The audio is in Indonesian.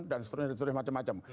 dan seterusnya seterusnya macam macam